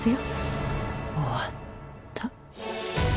終わった。